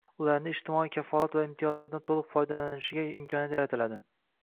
ularning ijtimoiy kafolat va imtiyozlardan to‘liq foydalanishiga imkoniyat yaratiladi.